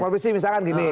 profesi misalkan gini